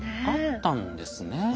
あったんですね。